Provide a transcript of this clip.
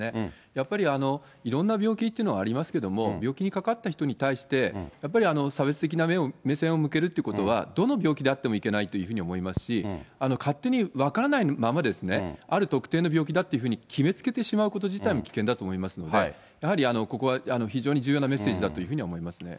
やっぱりいろんな病気っていうのはありますけども、病気にかかった人に対して、やっぱり差別的な目線を向けるってことは、どの病気であってもいけないというふうに思いますし、勝手に分からないままですね、ある特定の病気だっていうふうに決めつけてしまうこと自体も危険だと思いますので、やはりここは非常に重要なメッセージだというふうに思いますね。